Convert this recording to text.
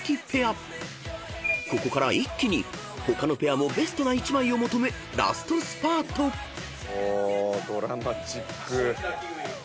［ここから一気に他のペアもベストな１枚を求めラストスパート］いい！